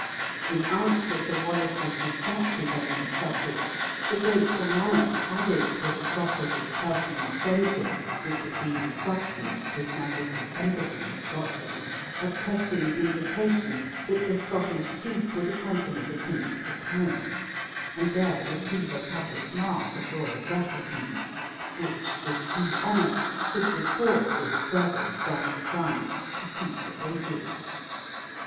In answer to Wallace's dispatches on this subject, the grateful monarch added to the proffers of personal friendship, which had been the substance of his majesty's embassy to Scotland, a pressing invitation that the Scottish chief would accompany the prince to Paris, and there receive a public mark of royal gratitude, which, with due honor, should record this service done to France to future ages.